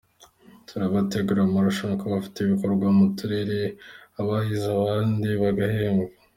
Turabategurira amarushanwa ku bafite ibikorwa mu turere, abahize abandi bagahembwa”.